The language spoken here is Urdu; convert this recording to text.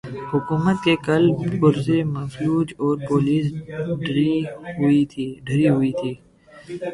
حکومت کے کل پرزے مفلوج اور پولیس ڈری ہوئی تھی۔